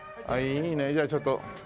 いいねじゃあちょっと。